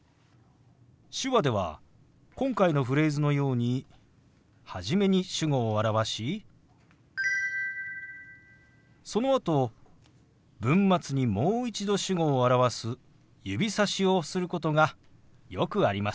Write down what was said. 手話では今回のフレーズのように初めに主語を表しそのあと文末にもう一度主語を表す指さしをすることがよくあります。